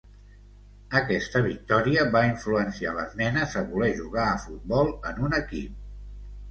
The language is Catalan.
Aquesta victòria va influencia a les nenes a voler jugar a futbol en un equip.